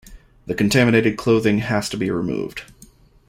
The contaminated clothing has to be removed.